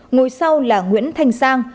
ngồi sau là nguyễn thanh sang